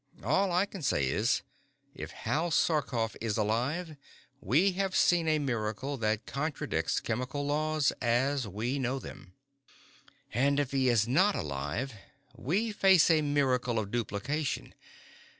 All I can say is, if Hal Sarkoff is alive, we have seen a miracle that contradicts chemical laws as we know them." "And if he is not alive, we face a miracle of duplication.